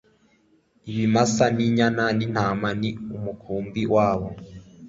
Ibimasa inyana nintama ni umukumbi wabo